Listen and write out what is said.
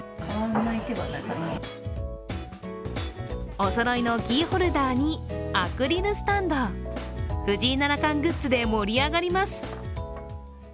おそろいのキーホルダーにアクリルスタンド、藤井七冠グッズで盛り上がります。